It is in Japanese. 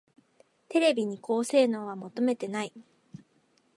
テレビに高機能は求めてない